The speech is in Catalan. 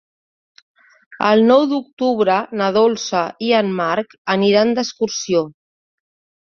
El nou d'octubre na Dolça i en Marc aniran d'excursió.